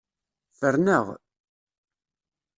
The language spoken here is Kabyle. Fren-aɣ!